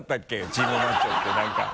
チームマッチョってなんか。